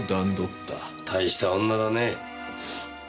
大した女だね。